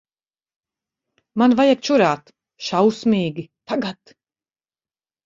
Man vajag čurāt. Šausmīgi. Tagad.